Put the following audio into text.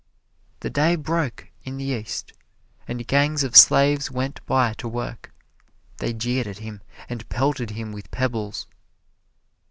The day broke in the east, and gangs of slaves went by to work. They jeered at him and pelted him with pebbles.